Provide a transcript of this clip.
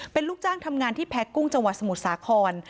เป็นลูกจ้างทำงานที่แพ้กุ้งจังหวัดสมุทรสาคร